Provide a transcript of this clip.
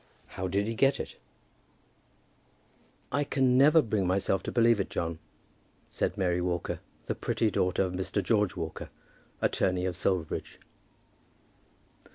HOW DID HE GET IT? "I can never bring myself to believe it, John," said Mary Walker, the pretty daughter of Mr. George Walker, attorney of Silverbridge.